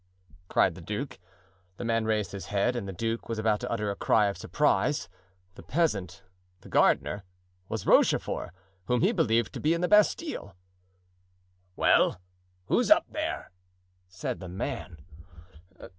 cried the duke. The man raised his head and the duke was about to utter a cry of surprise. The peasant, the gardener, was Rochefort, whom he believed to be in the Bastile. "Well? Who's up there?" said the man.